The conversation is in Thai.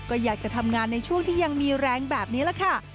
ก็อยากจะทำงานในช่วงที่ยังมีแรงแบบนี้แหละค่ะ